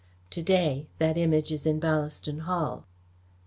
To day that Image is in Ballaston Hall."